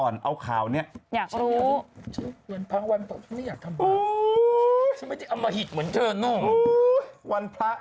อยากรู้เร็ว